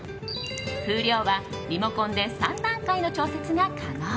風量はリモコンで３段階の調節が可能。